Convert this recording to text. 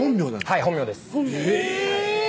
はい本名ですえぇ！